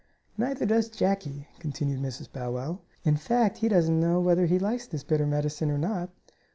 "Neither does Jackie," continued Mrs. Bow Wow. "In fact, he really doesn't know whether he likes this bitter medicine or not."